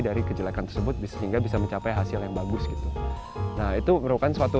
dari kejelekan tersebut sehingga bisa mencapai hasil yang bagus gitu nah itu merupakan suatu